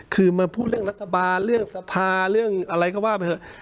คือมาพูดเรื่องรัฐบาลเรื่องสภาเรื่องอะไรก็ว่าไปเถอะ